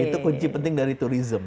itu kunci penting dari turisme